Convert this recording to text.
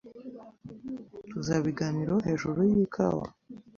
Tuzabiganiraho hejuru yikawa?